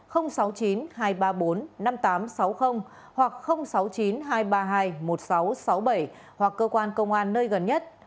sáu mươi chín hai trăm ba mươi bốn năm nghìn tám trăm sáu mươi hoặc sáu mươi chín hai trăm ba mươi hai một nghìn sáu trăm sáu mươi bảy hoặc cơ quan công an nơi gần nhất